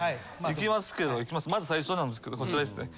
いきますけどまず最初なんですけどこちらですね。